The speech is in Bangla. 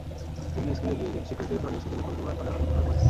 বিভিন্ন স্কুলে গিয়ে শিক্ষকদের ধরেও শ্রুতলেখক জোগাড় করা কঠিন হয়ে পড়ে।